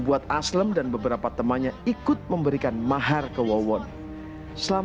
kata saya ini korban lagi ke pak